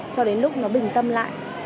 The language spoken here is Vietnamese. cho đến lúc nó bình tâm lại